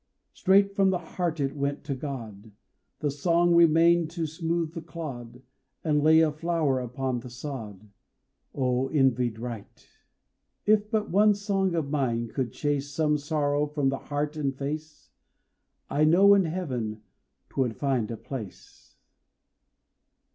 Straight from the heart it went to God The song remained to smooth the clod, And lay a flower upon the sod. O, envied right! If but one song of mine could chase Some sorrow from the heart and face I know in Heaven 'twould find a place.